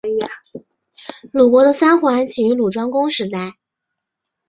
鲁国的三桓起于鲁庄公时代。